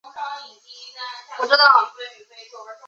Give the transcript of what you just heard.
伊芝诺生于巴西萨尔瓦多。